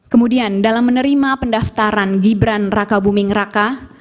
kemudian dalam menerima pendaftaran gibran raka buming raka